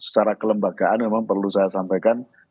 secara kelembagaan memang perlu saya sampaikan